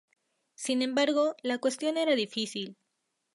Sin embargo, la cuestión era difícil.